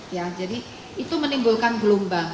ya jadi itu menimbulkan gelombang